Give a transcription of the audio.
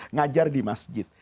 ngajar di masjid